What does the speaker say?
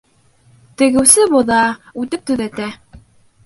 Тегеүсе боҙа, үтек төҙәтә.